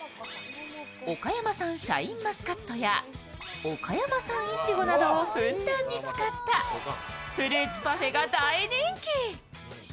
岡山産シャインマスカットや岡山産いちごなどをふんだんに使ったフルーツパフェが大人気。